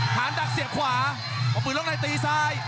หันดักเสียขวาป้อมปืนลงในตีซ้าย